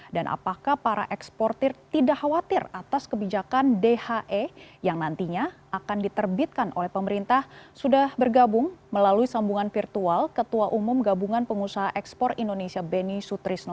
dan apakah para eksportir tidak khawatir atas kebijakan dhe yang nantinya akan diterbitkan oleh pemerintah sudah bergabung melalui sambungan virtual ketua umum gabungan pengusaha ekspor indonesia benny sutrisno